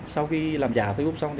sau khi làm giả facebook xong